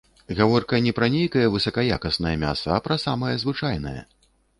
Гаворка не пра нейкае высакаякаснае мяса, а пра самае звычайнае.